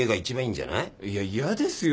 いや嫌ですよ。